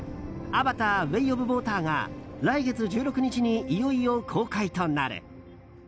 「アバター：ウェイ・オブ・ウォーター」が来月１６日にいよいよ公開となる。